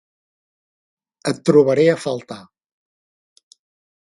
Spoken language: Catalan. Et trobaré a faltar.